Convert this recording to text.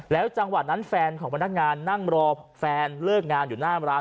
จังหวะนั้นแฟนของพนักงานนั่งรอแฟนเลิกงานอยู่หน้าร้าน